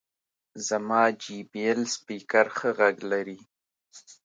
زما جې بي ایل سپیکر ښه غږ لري.